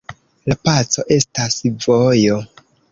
La paco estas vojo.